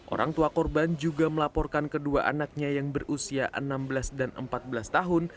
orang tua korban juga melaporkan kedua anaknya yang berusia enam belas dan empat belas tahun